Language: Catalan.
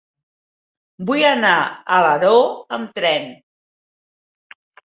Vull anar a Alaró amb tren.